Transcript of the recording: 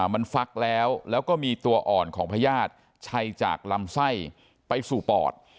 มันฟักแล้วแล้วก็มีตัวอ่อนของพญาติชัยจากลำไส้ไปสู่ปอด